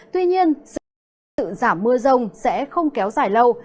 tuy nhiên sự giảm mưa rông sẽ không kéo dài lâu